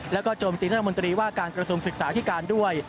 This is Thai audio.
แล้วก็โจมตีรัฐมนตรีว่าการกระทรวงศึกษาที่การด้วย